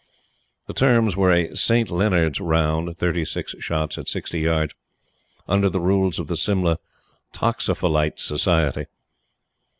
The terms were a St. Leonard's Round thirty six shots at sixty yards under the rules of the Simla Toxophilite Society.